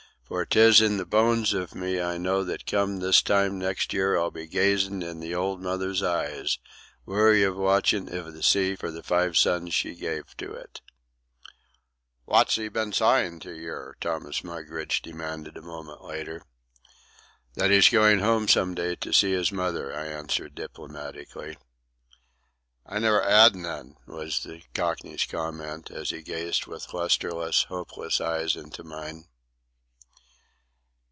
"For 'tis in the bones iv me I know that come this time next year I'll be gazin' in the old mother's eyes, weary with watchin' iv the sea for the five sons she gave to it." "Wot's 'e been s'yin' to yer?" Thomas Mugridge demanded a moment later. "That he's going home some day to see his mother," I answered diplomatically. "I never 'ad none," was the Cockney's comment, as he gazed with lustreless, hopeless eyes into mine.